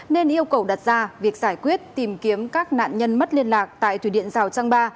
nên yêu cầu đặt ra việc giải quyết tìm kiếm các nạn nhân mất liên lạc tại thủy điện rào trăng ba